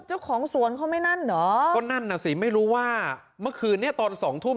เจ้าของสวนเขาไม่นั่นเหรอก็นั่นน่ะสิไม่รู้ว่าเมื่อคืนเนี้ยตอนสองทุ่ม